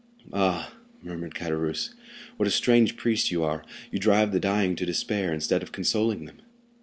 "Ah," murmured Caderousse, "what a strange priest you are; you drive the dying to despair, instead of consoling them."